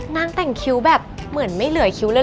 นางแต่งคิ้วแบบเหมือนไม่เหลือคิ้วเลย